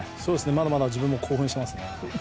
まだまだ自分も興奮していますね。